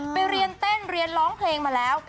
ไปเรียนเต้นเรียนร้องเพลงมาแล้ว